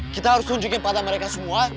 kita harus tunjukin pada mereka semua